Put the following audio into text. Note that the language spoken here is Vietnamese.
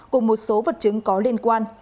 cùng một số vật chứng có liên quan